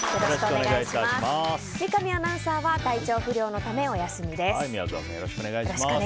三上アナウンサーは体調不良のためお休みです。